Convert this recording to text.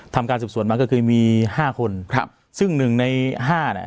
ทำการสืบสวนมาก็คือมีห้าคนครับซึ่งหนึ่งในห้าเนี่ย